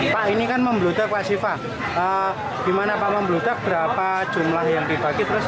pak ini kan membeludak wasifah gimana pak membeludak berapa jumlah yang dibagi